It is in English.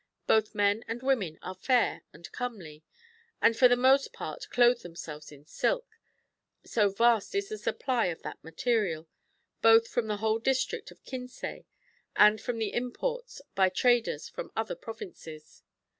[Both men and women are fair and comely, and for the most part clothe themselves in silk, so vast is the supply of that material, both from the whole district of Kinsay, and from the imports by traders from other provinces.'